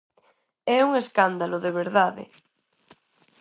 É un escándalo, de verdade.